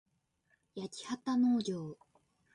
やきはたのうぎょう